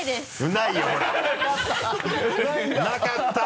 なかった！